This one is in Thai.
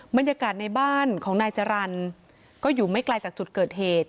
บรรยากาศในบ้านของนายจรรย์ก็อยู่ไม่ไกลจากจุดเกิดเหตุ